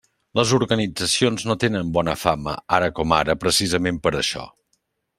Les organitzacions no tenen bona fama ara com ara precisament per això.